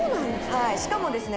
しかもですね